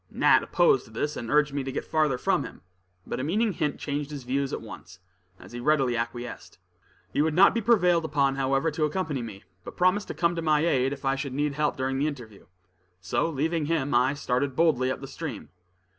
Nat opposed this, and urged me to get farther from him; but a meaning hint changed his views at once, and he readily acquiesced. He would not be prevailed upon, however, to accompany me, but promised to come to my aid if I should need help during the interview. So leaving him, I started boldly up the stream.